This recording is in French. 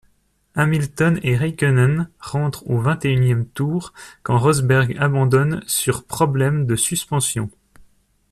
Hamilton et Räikkönen rentrent au vingt-et-unième tour quand Rosberg abandonne sur problème de suspension.